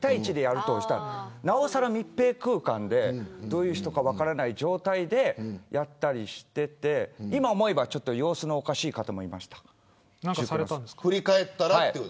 なおさら密閉空間でどういう人か分からない状態でやったりしていて今、思えば様子のおかしい方もいました。